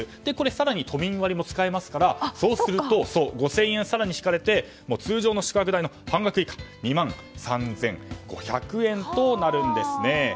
更にこれ、都民割も使えますからそうすると５０００円更に引かれて通常の宿泊代の半額以下２万３５００円となるんですね。